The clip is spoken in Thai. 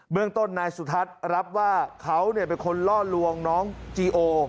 เมืองต้นนายสุทัศน์รับว่าเขาเป็นคนล่อลวงน้องจีโอ